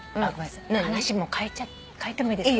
話変えてもいいですか？